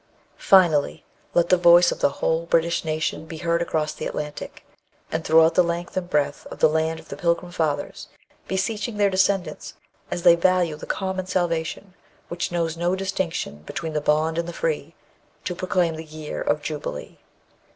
Finally, let the voice of the whole British nation be heard across the Atlantic, and throughout the length and breadth of the land of the Pilgrim Fathers, beseeching their descendants, as they value the common salvation, which knows no distinction between the bond and the free, to proclaim the Year of Jubilee.